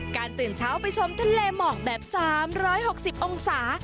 ตื่นเช้าไปชมทะเลหมอกแบบ๓๖๐องศา